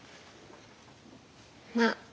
まあ。